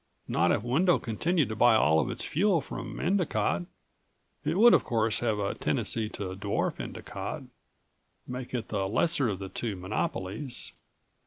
"Not if Wendel continued to buy all of its fuel from Endicott. It would, of course, have a tendency to dwarf Endicott, make it the lesser of the two monopolies."